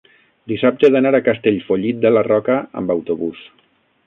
dissabte he d'anar a Castellfollit de la Roca amb autobús.